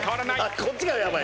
こっちがヤバい。